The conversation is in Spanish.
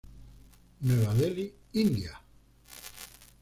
Nueva Delhi, India.